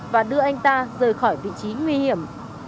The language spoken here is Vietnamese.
và đưa anh ta rời khỏi vị trí nguy hiểm